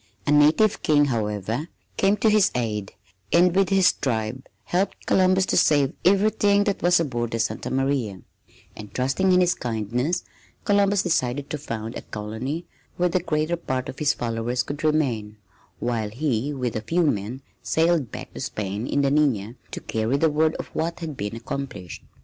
A native king, however, came to his aid and with his tribe helped Columbus to save everything that was aboard the Santa Maria, and trusting in his kindness Columbus decided to found a colony where the greater part of his followers could remain, while he with a few men sailed back to Spain in the Nina to carry the word of what had been accomplished.